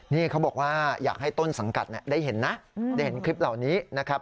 นี่เขาบอกว่าอยากให้ต้นสังกัดได้เห็นนะได้เห็นคลิปเหล่านี้นะครับ